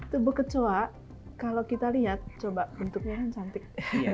tubuh kecoa kalau kita lihat coba bentuknya kan cantik